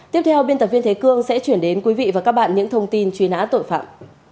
tiếp theo biên tập viên thế cương sẽ chuyển đến quý vị và các bạn những thông tin truy nã tội phạm